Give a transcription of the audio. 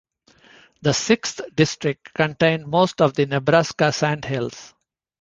The Sixth District contained most of the Nebraska Sandhills.